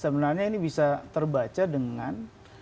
sebenarnya ini bisa terbaca dengan